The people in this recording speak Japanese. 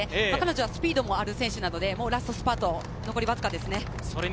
彼女はスピードもあるのでラストスパート残りわずかですね。